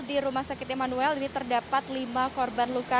di rumah sakit emanuel ini terdapat lima korban luka